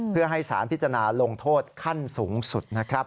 เพื่อให้สารพิจารณาลงโทษขั้นสูงสุดนะครับ